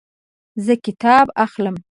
زه کتاب اخلم